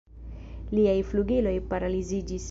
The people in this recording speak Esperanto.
Liaj flugiloj paraliziĝis.